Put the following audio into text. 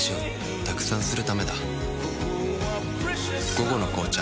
「午後の紅茶」